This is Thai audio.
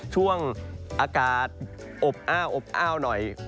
ช่วงอากาศอบอ้าวอบอ้าวหน่อย